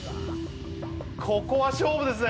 ここは勝負ですね